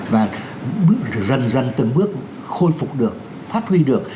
và dần dần từng bước khôi phục được phát huy được